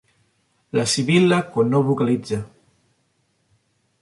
La sibil·la quan no vocalitza.